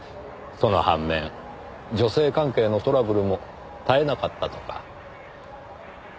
その反面女性関係のトラブルも絶えなかったとか。